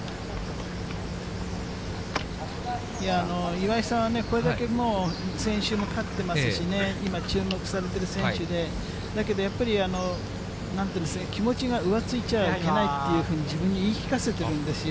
岩井さんはね、これだけ先週も勝ってますしね、今、注目されている選手で、だけどやっぱり、なんていうんですか、気持ちが浮ついちゃいけないというふうに、自分に言い聞かせてるんですよ。